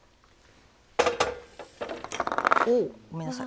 ごめんなさい。